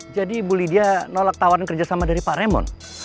jadi ibu lydia menolak tawaran kerja sama dari pak raimon